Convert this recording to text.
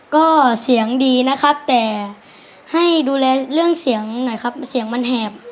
ก็เสียงดีนะครับแต่ให้ดูแลเรื่องเสียงหน่อยครับเสียงมันแหบ